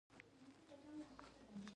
او د ګډ پرمختګ لپاره.